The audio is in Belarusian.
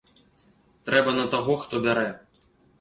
Трэба на таго, хто бярэ.